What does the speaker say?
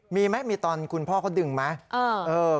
มีมั้ยมีตอนคุณพ่อเค้าดึงไหม